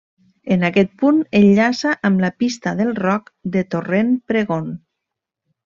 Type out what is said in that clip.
En aquest punt enllaça amb la Pista del Roc de Torrent Pregon.